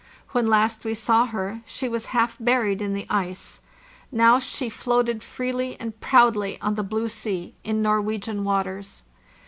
When last we saw her she was half buried in the ice; now she floated freely and proudly on the blue sea, in Norwegian waters.